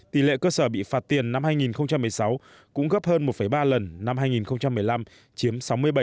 tỷ lệ cơ sở bị phạt tiền năm hai nghìn một mươi sáu cũng gấp hơn một ba lần năm hai nghìn một mươi năm chiếm sáu mươi bảy